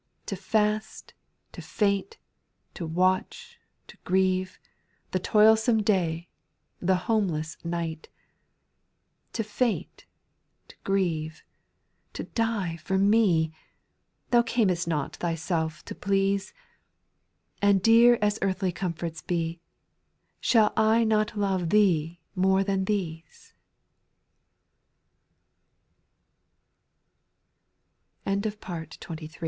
827 To fast, to faint, to watch, to grieve, The toilsome day, the homeless night ; 6. To faint, to grieve, to die for me ; Thou earnest not Thyself to please ; And dear as earthly comforts be, Shall I not love Thee more than the